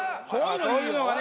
そういうのはね